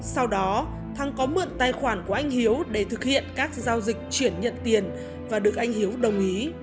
sau đó thăng có mượn tài khoản của anh hiếu để thực hiện các giao dịch chuyển nhận tiền và được anh hiếu đồng ý